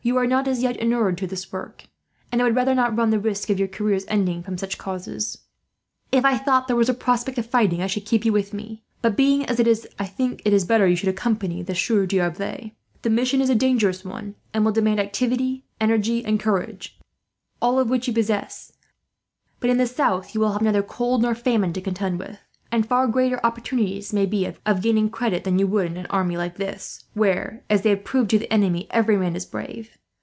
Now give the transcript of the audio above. You are not as yet inured to this work, and I would rather not run the risk of your careers ending from such causes. "If I thought there was a prospect of fighting I should keep you with me but, being as it is, I think it better you should accompany the Sieur D'Arblay. The mission is a dangerous one, and will demand activity, energy, and courage, all of which you possess; but in the south you will have neither cold nor famine to contend with, and far greater opportunities, maybe, of gaining credit than you would in an army like this where, as they have proved to the enemy, every man is brave.